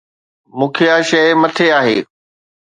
مکيه شيء مٿي آهي.